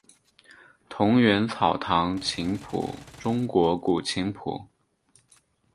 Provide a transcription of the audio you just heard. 桐园草堂琴谱中国古琴谱。